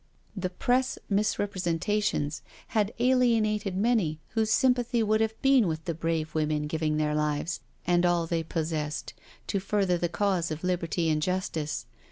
The Press misrepresentations had . alienated many whose sympathy would have been with the brave women giving their lives, and all they pos sessed, to further the cause of liberty and justice.